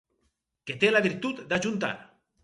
Que té la virtut d'ajuntar.